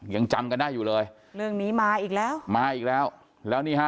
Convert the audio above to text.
ยังจำกันได้อยู่เลยเรื่องนี้มาอีกแล้วมาอีกแล้วแล้วนี่ฮะ